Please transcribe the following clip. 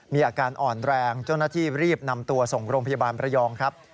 มีอาการอ่อนแรงเจ้าหน้าที่รีบนำตัวส่งโรงพยาบาลประยองครับ